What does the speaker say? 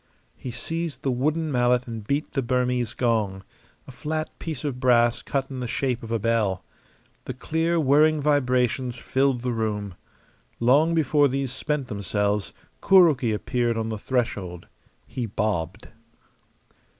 He seized the wooden mallet and beat the Burmese gong a flat piece of brass cut in the shape of a bell. The clear, whirring vibrations filled the room. Long before these spent themselves Kuroki appeared on the threshold. He bobbed.